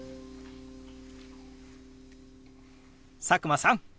佐久間さん！